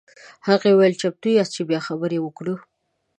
هغه وویل چمتو یاست چې بیا خبرې وکړو.